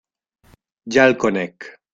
Ja el conec.